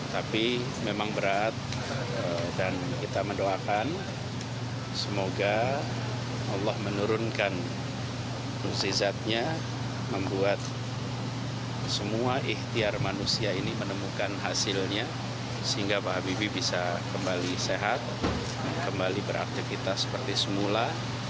tapi memang berat dan kita mendoakan semoga allah menurunkan keuzizatnya membuat semua ikhtiar manusia ini menemukan hasilnya sehingga pak habibi bisa kembali sehat kembali beraktifitas seperti semula